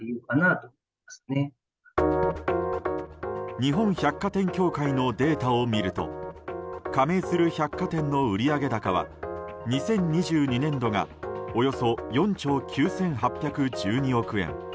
日本百貨店協会のデータを見ると加盟する百貨店の売上高は２０２２年度がおよそ４兆９８１２億円。